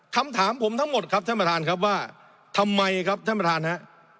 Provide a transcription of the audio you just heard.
คำถามผมทั้งหมดครับท่านประธานครับว่าทำไมครับท่านประธานฮะ